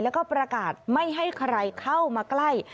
แล้วก็ประกาศไม่ให้ใครเข้ามาใกล้